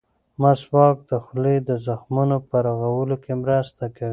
مسواک د خولې د زخمونو په رغولو کې مرسته کوي.